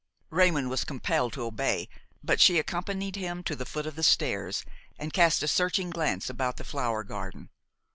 Raymon was compelled to obey; but she accompanied him to the foot of the stairs and cast a searching glance about the flower garden.